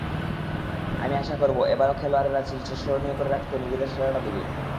আমি আশা করব, এবারও খেলোয়াড়েরা সিরিজটা স্মরণীয় করে রাখতে নিজেদের সেরাটা দেবে।